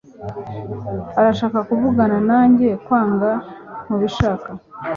Urashaka kuvugana nanjye cyangwa ntubishaka?